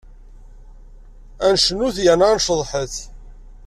Ad necnut yerna ad nceḍḥet.